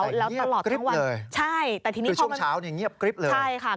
แต่เงียบกริบเลยคือช่วงเช้าเงียบกริบเลยใช่ค่ะ